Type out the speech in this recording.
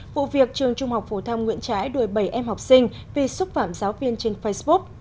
vụ việc trường trung học phổ thông nguyễn trãi đuổi bảy em học sinh vì xúc phạm giáo viên trên facebook